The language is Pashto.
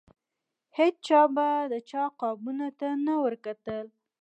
هیچا به د بل چا قابونو ته نه ورکتل.